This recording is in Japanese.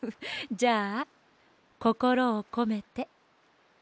じゃあこころをこめて。